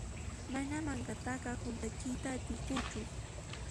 Mana mankata hunt'achiyta atiykuchu.